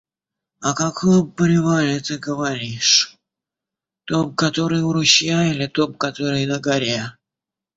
О каком привале ты говоришь: том, который у ручья или том, который на горе?